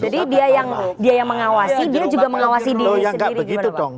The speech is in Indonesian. jadi dia yang mengawasi dia juga mengawasi diri sendiri gimana pak